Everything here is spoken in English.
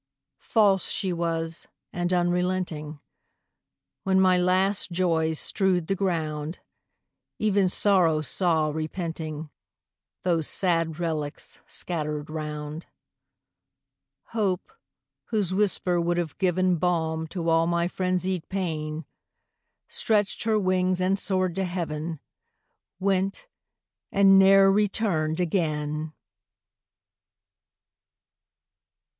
False she was, and unrelenting; When my last joys strewed the ground, Even Sorrow saw, repenting, Those sad relics scattered round; Hope, whose whisper would have given Balm to all my frenzied pain, Stretched her wings, and soared to heaven, Went, and ne'er returned again!